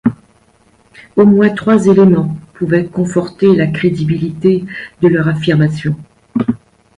Au moins trois éléments pouvaient conforter la crédibilité de leur affirmation.